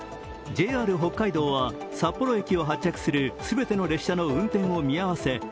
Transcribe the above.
ＪＲ北海道は札幌駅を発着するすべての列車の運転を見合わせ